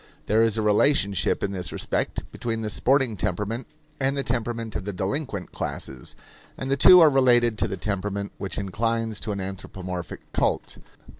There is a relationship in this respect between the sporting temperament and the temperament of the delinquent classes; and the two are related to the temperament which inclines to an anthropomorphic cult.